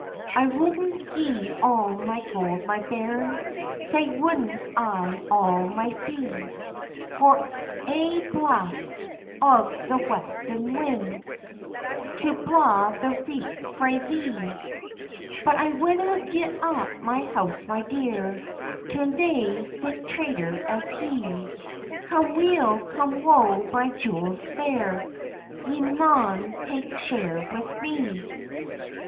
["I wou'd gi'e all my gold, my bairn, Sae wou'd I all my fee, For ae blast of the westlin' wind, To blaw the reek frae thee.] "But I winna gi'e up my house, my dear, To nae sic traitor as he; Come weal, come woe, my jewels fair, Ye maun take share with me."